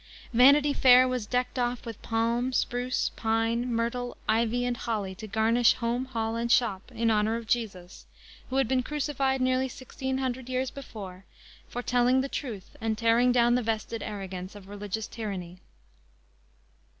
Vanity Fair was decked off with palm, spruce, pine, myrtle, ivy and holly to garnish home, hall and shop in honor of Jesus, who had been crucified nearly sixteen hundred years before for telling the truth and tearing down the vested arrogance of religious tyranny.